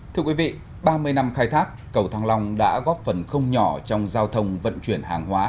thưa quý vị ba mươi năm khai thác cầu thăng long đã góp phần không nhỏ trong giao thông vận chuyển hàng hóa